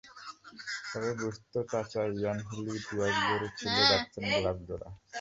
তবে বুঝত চাচা ইয়ান হিলি ইতিহাস গড়ে খুলে রাখছেন গ্লাভস জোড়া।